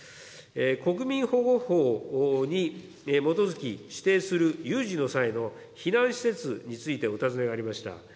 国民保護法に基づき、指定する有事の際の避難施設についてお尋ねがありました。